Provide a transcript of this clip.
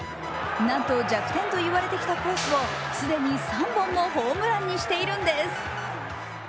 なんと弱点と言われてきたコースを既に３本もホームランにしているんです。